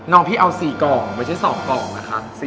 น้องพี่เอา๔กล่องไม่ใช่๒กล่องนะครับ